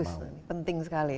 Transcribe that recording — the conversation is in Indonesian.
bagus penting sekali